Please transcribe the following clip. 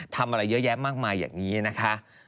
ทำอะไรเยอะแยะมากมายอย่างนี้นะคะ